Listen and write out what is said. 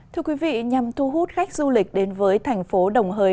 thưa quý vị nhằm thu hút khách du lịch đến với thành phố đồng hới